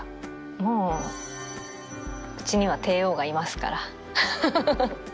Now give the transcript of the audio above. もううちには帝王がいますからハハハッ